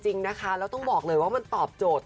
จริงนะคะแล้วต้องบอกเลยว่ามันตอบโจทย์